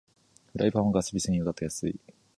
フライパンはガス火専用だと安い